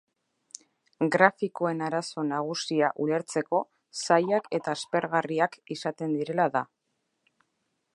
Grafikoen arazo nagusia ulertzeko zailak eta aspergarriak izaten direla da.